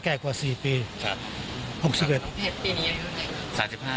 แค่กว่า๔ปี๖๑ปีนี้ยังอยู่ไหนครับ